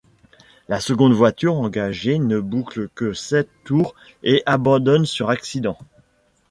La seconde voiture engagée, ne boucle que sept tours et abandonne sur accident.